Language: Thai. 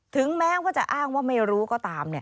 ถึงแม้ว่าจะอ้างว่าไม่รู้ก็ตาม